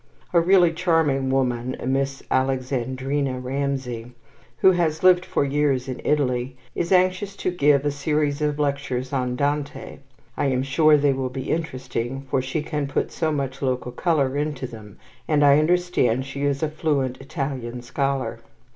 A really charming woman, a Miss Alexandrina Ramsay, who has lived for years in Italy, is anxious to give a series of lectures on Dante. I am sure they will be interesting, for she can put so much local colour into them, and I understand she is a fluent Italian scholar.